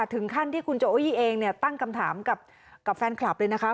ถึงขั้นที่คุณโจอี้เองเนี่ยตั้งคำถามกับแฟนคลับเลยนะคะ